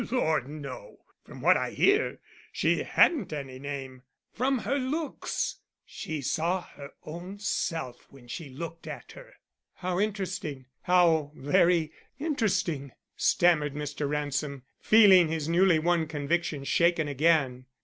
"Lord, no; from what I hear, she hadn't any name. From her looks! She saw her own self when she looked at her." "How interesting, how very interesting," stammered Mr. Ransom, feeling his newly won convictions shaken again.